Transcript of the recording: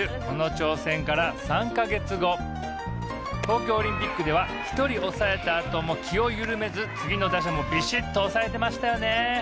この挑戦から３か月後東京オリンピックでは１人抑えた後も気を緩めず次の打者もビシっと抑えてましたよね